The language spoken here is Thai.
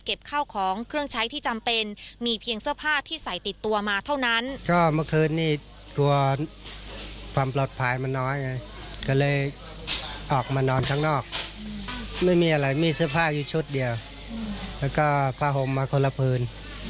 ข้าวของเครื่องใช้ที่จำเป็นมีเพียงเสื้อผ้าที่ใส่ติดตัวมาเท่านั้นก็เมื่อคืนนี้ตัวความปลอดภัยมันน้อยไงก็เลยออกมานอนข้างนอกไม่มีอะไรมีเสื้อผ้าอยู่ชุดเดียวแล้วก็ผ้าห่มมาคนละพื้น